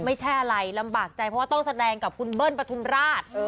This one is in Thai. ไม่ใช่อะไรลำบากใจเพราะว่าต้องแสดงกับคุณเบิ้ลปฐุมราช